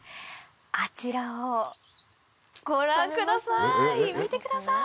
あちらをご覧ください